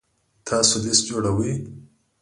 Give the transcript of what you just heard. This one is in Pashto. تاسو لیست جوړوئ؟